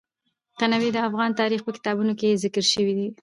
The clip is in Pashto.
تنوع د افغان تاریخ په کتابونو کې ذکر شوی دي.